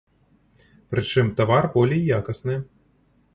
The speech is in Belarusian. Прычым тавар болей якасны.